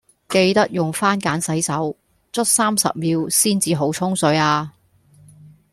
記得用番梘洗手，捽三十秒先至好沖水呀